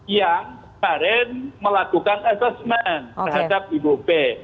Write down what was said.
yang kemarin melakukan assessment terhadap ibu pe